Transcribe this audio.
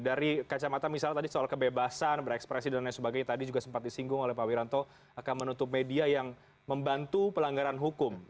dari kacamata misalnya tadi soal kebebasan berekspresi dan lain sebagainya tadi juga sempat disinggung oleh pak wiranto akan menutup media yang membantu pelanggaran hukum